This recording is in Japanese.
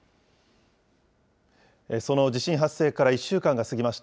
その地震発生から１週間が過ぎました。